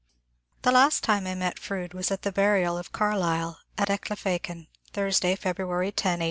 The last time I met Froude was at the burial of Carlyle at Ecclefechan, Thursday, February 10, 1881.